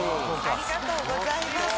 ありがとうございます。